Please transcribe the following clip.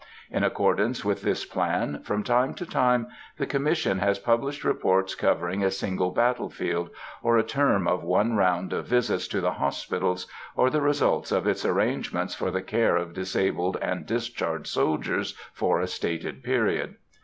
In accordance with this plan, from time to time, the Commission has published reports covering a single battle field, or a term of one round of visits to the hospitals, or the results of its arrangements for the care of disabled and discharged soldiers for a stated period.